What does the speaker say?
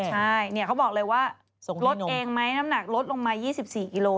ใช่เขาบอกเลยว่าลดเองไหมน้ำหนักลดลงมา๒๔กิโล